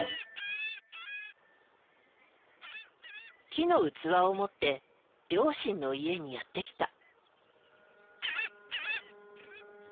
木の器を持って両親の家にやって来た。